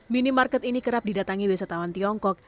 minimarket ini kerap didatangi wisatawan tiongkok